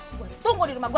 gue tunggu di rumah gue